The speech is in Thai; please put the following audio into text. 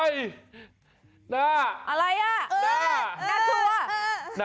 อ้อยหน้าอะไรน่ะหน้ากลัวหน้า